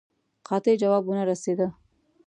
قاطع جواب ونه رسېدی.